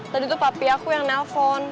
tadi tuh papi aku yang nelfon